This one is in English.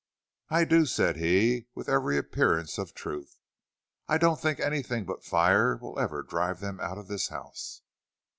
"I do," said he, with every appearance of truth. "I don't think anything but fire will ever drive them out of this house."